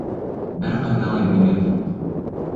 Бер ҡайҙа ла билет юҡ.